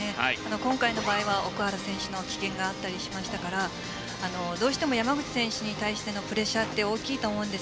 今回の場合は奥原選手の棄権があったりしましたからどうしても山口選手に対してのプレッシャーは大きいと思うんです。